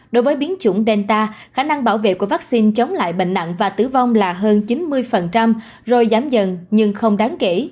đối với biến chủng delta khả năng bảo vệ của vaccine chống lại bệnh nặng và tử vong là hơn chín mươi rồi giảm dần nhưng không đáng kể